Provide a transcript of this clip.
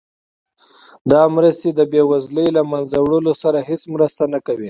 دا مرستې د بیوزلۍ د له مینځه وړلو سره هیڅ مرسته نه کوي.